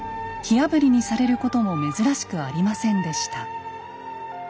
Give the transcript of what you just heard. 火あぶりにされることも珍しくありませんでした。